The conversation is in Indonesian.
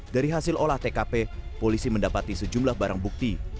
dari hasil olah tkp polisi mendapati sejumlah barang bukti